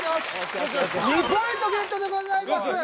２ポイントゲットでございます。